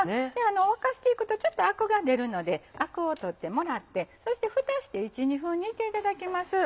沸かしていくとちょっとアクが出るのでアクを取ってもらってそしてふたをして１２分煮ていただきます。